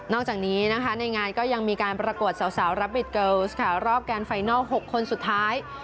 จากนี้นะคะในงานก็ยังมีการประกวดสาวรับบิดเกิลส์ค่ะรอบแกนไฟนัล๖คนสุดท้าย